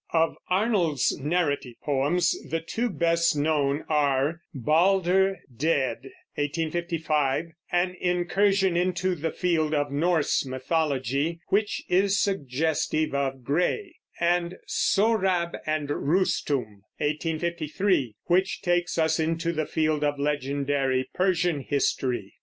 Of Arnold's narrative poems the two best known are Balder Dead (1855), an incursion into the field of Norse mythology which is suggestive of Gray, and Sohrab and Rustum (1853), which takes us into the field of legendary Persian history.